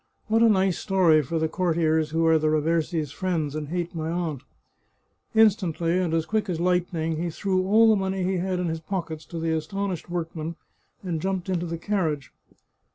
What a nice story for the courtiers who are the Raversi's friends and hate my aunt !" Instantly, and as quick as lightning, he threw all the money he had in his pockets to the astonished workmen, and jumped into the carriage.